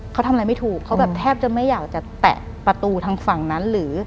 เขาทำอะไรไม่ถูกเขาแบบแทบจะไม่อยากจะแตะประตูทางฝั่งนั้นหรือ